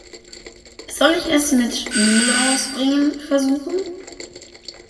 Soll ich es mit Müll rausbringen versuchen?